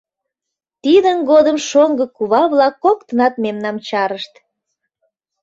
Тидын годым шоҥго кува-влак коктынат мемнам чарышт.